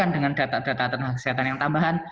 dengan data data tenaga kesehatan yang tambahan